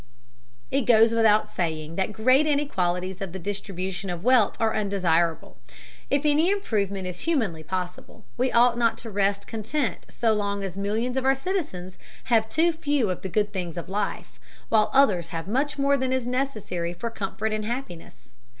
It goes without saying that great inequalities in the distribution of wealth are undesirable. If any improvement is humanly possible, we ought not to rest content so long as millions of our citizens have too few of the good things of life, while others have much more than is necessary for comfort and happiness.